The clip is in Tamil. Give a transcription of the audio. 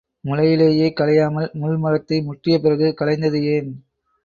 முளையிலே களையாமல் முள் மரத்தை முற்றிய பிறகு களைந்தது ஏன்?